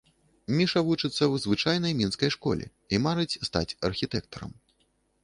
Міша вучыцца ў звычайнай мінскай школе і марыць стаць архітэктарам.